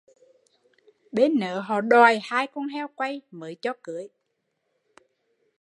Bên nớ họ đòi hai con heo quay mới cho cưới